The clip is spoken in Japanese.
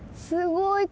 すごい。